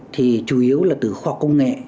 thì chủ yếu là từ khoa công nghệ